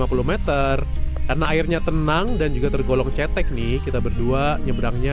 lima puluh m karena airnya tenang dan juga tergolong cetek nih kita berdua nyebrangnya